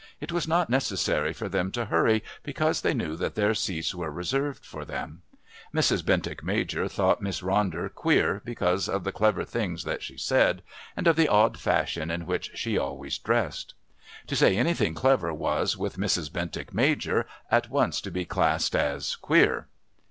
It was not necessary for them to hurry because they knew that their seats were reserved for them. Mrs. Bentinck Major thought Miss Ronder "queer" because of the clever things that she said and of the odd fashion in which she always dressed. To say anything clever was, with Mrs. Bentinck Major, at once to be classed as "queer."